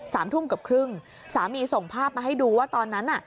สามทุ่มเกือบครึ่งสามีส่งภาพมาให้ดูว่าตอนนั้นน่ะ